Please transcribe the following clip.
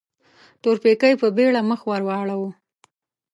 تورپيکۍ په بيړه مخ ور واړاوه.